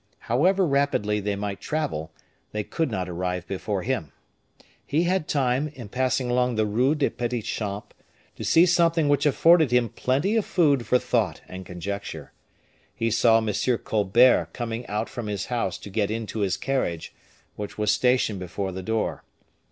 However rapidly they might travel, they could not arrive before him. He had time, in passing along the Rue des Petits Champs, to see something which afforded him plenty of food for thought and conjecture. He saw M. Colbert coming out from his house to get into his carriage, which was stationed before the door.